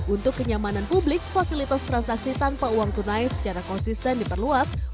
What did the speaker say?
untuk kenyamanan publik fasilitas transaksi tanpa uang tunai secara konsisten diperluas